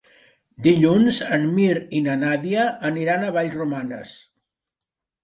Dilluns en Mirt i na Nàdia aniran a Vallromanes.